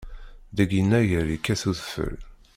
Deg yennayer yekkat udfel.